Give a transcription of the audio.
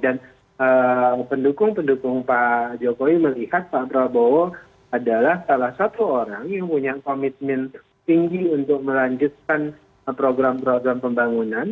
dan pendukung pendukung pak jokowi melihat pak prabowo adalah salah satu orang yang punya komitmen tinggi untuk melanjutkan program program pembangunan